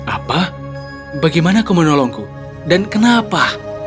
apa bagaimana kau menolongku dan kenapa